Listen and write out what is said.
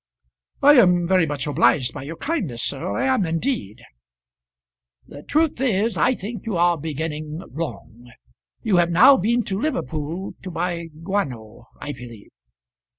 "I am very much obliged by your kindness, sir; I am indeed." "The truth is, I think you are beginning wrong. You have now been to Liverpool, to buy guano, I believe."